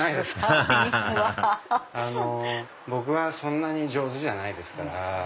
アハハハハ僕はそんなに上手じゃないですから。